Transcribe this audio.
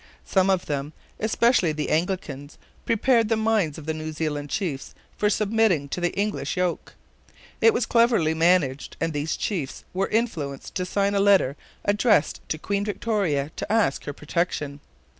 Some of them, especially the Anglicans, prepared the minds of the New Zealand chiefs for submitting to the English yoke. It was cleverly managed, and these chiefs were influenced to sign a letter addressed to Queen Victoria to ask her protection.